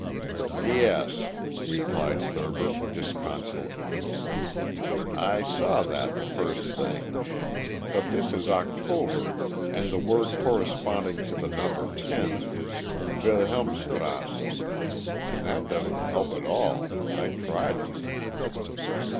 "Yes," replied Thurber, disconsolately, "I saw that the first thing. But this is October and the word corresponding to the number ten is 'Wilhelmstrasse' and that doesn't help at all. I tried it."